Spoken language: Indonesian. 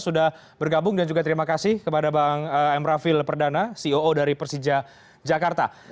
sudah bergabung dan juga terima kasih kepada bang emrafil perdana ceo dari persija jakarta